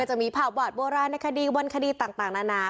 มันจะมีภาพบาทโบราณในคดีต์บนคดีต์ต่างนานา